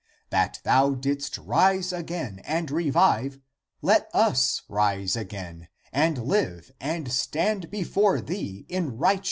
That thou didst rise again and revive, let us rise again and live and stand before thee in righte 2 Comp.